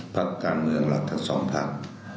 พักการเมืองหลักทั้งสองภาค